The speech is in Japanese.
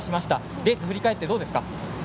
レース振り返ってどうですか。